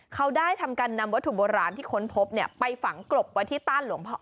เขาได้ทำการนำวัตถุโบราณที่ค้นพบไปฝังกลบไว้ที่ต้านหลวงพ่อ